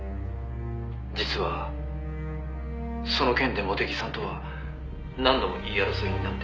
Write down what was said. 「実はその件で茂手木さんとは何度も言い争いになって」